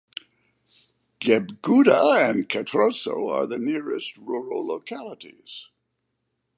Gebguda and Katroso are the nearest rural localities.